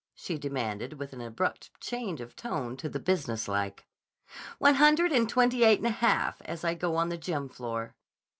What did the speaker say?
she demanded with an abrupt change of tone to the business like. "One hundred and twenty eight and a half, as I go on the gym floor."